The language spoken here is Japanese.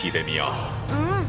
うん！